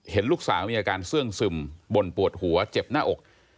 เห็นลูกสาวมีอาการเสื้องซึมบ่นปวดหัวเจ็บหน้าอก